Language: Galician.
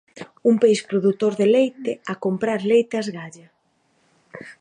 Un país produtor de leite a comprar leite a esgalla.